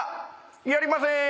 やりませーん。